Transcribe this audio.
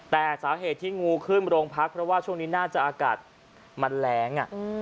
แต่สาเหตุที่งูขึ้นโรงพักเพราะว่าช่วงนี้น่าจะอากาศมันแรง